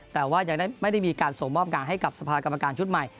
แต่ว่ายังไม่ได้มีการส่งมอบงานให้กับสภากรรมการชุดใหม่